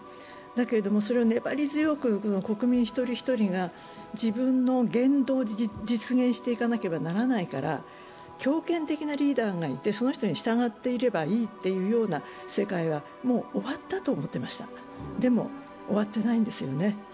だけれども、それを粘り強く国民一人一人が自分の言動を実現していかなければならないから強権的なリーダーがいて、その人に従っていればいいという世界はもう終わったと思ってました、でも終わってないんですよね。